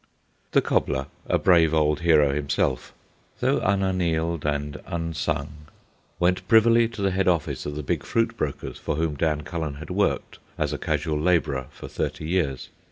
The cobbler, a brave old hero himself, though unannaled and unsung, went privily to the head office of the big fruit brokers for whom Dan Cullen had worked as a casual labourer for thirty years.